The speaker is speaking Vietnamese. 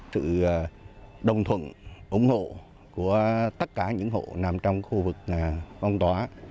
sự đồng thuận ủng hộ của tất cả những hộ nằm trong khu vực phong tỏa